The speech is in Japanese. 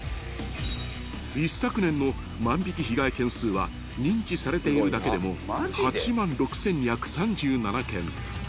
［一昨年の万引被害件数は認知されているだけでも８万６，２３７件］